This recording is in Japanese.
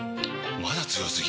まだ強すぎ？！